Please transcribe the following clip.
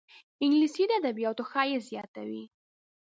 انګلیسي د ادبياتو ښایست زیاتوي